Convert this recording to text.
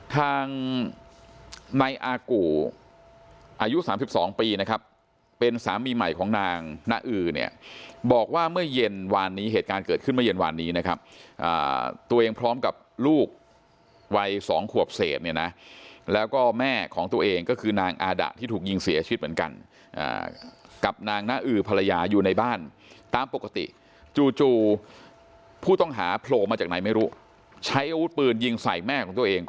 ทางนายอากู่อายุ๓๒ปีนะครับเป็นสามีใหม่ของนางนาอือเนี่ยบอกว่าเมื่อเย็นวานนี้เหตุการณ์เกิดขึ้นเมื่อเย็นวานนี้นะครับตัวเองพร้อมกับลูกวัย๒ขวบเศษเนี่ยนะแล้วก็แม่ของตัวเองก็คือนางอาดะที่ถูกยิงเสียชีวิตเหมือนกันกับนางน้าอือภรรยาอยู่ในบ้านตามปกติจู่ผู้ต้องหาโผล่มาจากไหนไม่รู้ใช้อาวุธปืนยิงใส่แม่ของตัวเอง